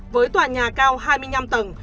với tòa nhà cao hai mươi năm tầng